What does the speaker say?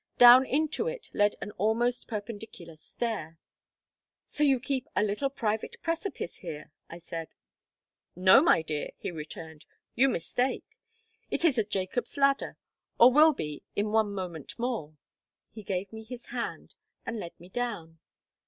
Down into it led an almost perpendicular stair. "So you keep a little private precipice here," I said. "No, my dear," he returned; "you mistake. It is a Jacob's ladder, or will be in one moment more." He gave me his hand, and led me down.